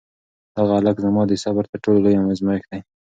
دغه هلک زما د صبر تر ټولو لوی ازمېښت دی.